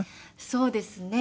そうですね。